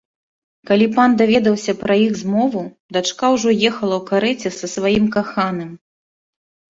Калі пан даведаўся пра іх змову, дачка ўжо ехала ў карэце са сваім каханым.